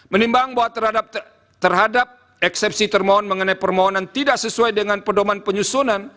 menimbang bahwa terhadap eksepsi termohon mengenai permohonan tidak sesuai dengan pedoman penyusunan